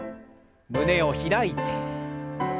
胸を開いて。